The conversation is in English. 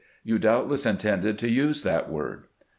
You doubtless intended to use that word."